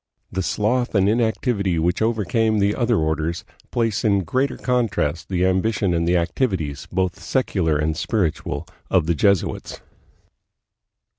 The sloth and inactivity which overcame the other orders place in greater contrast the ambition and the activities, both secular and spiritual, of the Jesuits.